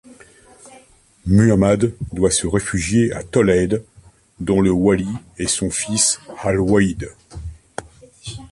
Muhammad doit se réfugier à Tolède dont le wali est son fils Al-Wahid.